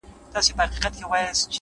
هره ناکامي د راتلونکې لارښوونه ده،